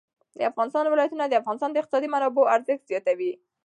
د افغانستان ولايتونه د افغانستان د اقتصادي منابعو ارزښت زیاتوي.